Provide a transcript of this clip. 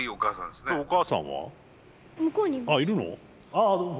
ああどうも。